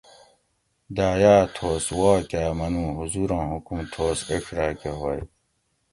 دایہ تھوس واکاۤ منو حضوراں حکم تھوس ایڄ راۤکہ ہوگ